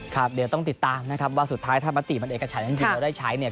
ครับเดี๋ยวต้องติดตามนะครับว่าสุดท้ายถ้ามติมันเอกฉันจริงแล้วได้ใช้เนี่ย